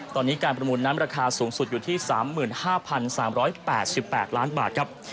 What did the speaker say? ตอนนี้การประมูลนั้นราคาสูงสุดอยู่ที่๓๕๓๘๘ล้านบาทครับ